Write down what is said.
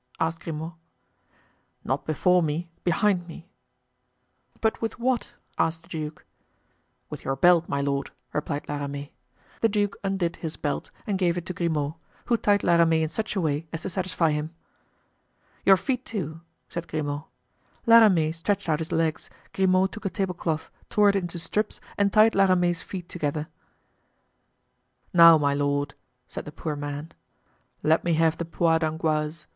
asked Grimaud. "Not before me, behind me." "But with what?" asked the duke. "With your belt, my lord!" replied La Ramee. The duke undid his belt and gave it to Grimaud, who tied La Ramee in such a way as to satisfy him. "Your feet, too," said Grimaud. La Ramee stretched out his legs, Grimaud took a table cloth, tore it into strips and tied La Ramee's feet together. "Now, my lord," said the poor man, "let me have the poire d'angoisse.